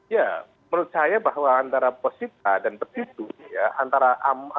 ya menurut saya bahwa antara positif dan petitum